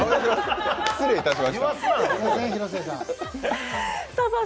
失礼いたしました。